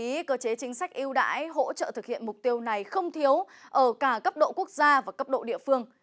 cơ sở pháp lý cơ chế chính sách yêu đãi hỗ trợ thực hiện mục tiêu này không thiếu ở cả cấp độ quốc gia và cấp độ địa phương